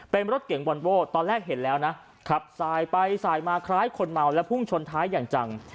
เป็นรถเก่งวอนโว้ตอนแรกเห็นแล้วนะขับสายไปสายมาคล้ายคนเมาและพุ่งชนท้ายอย่างจัง